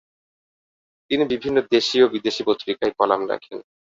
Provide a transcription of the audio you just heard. তিনি বিভিন্ন দেশী ও বিদেশী পত্রিকায় কলাম লেখেন।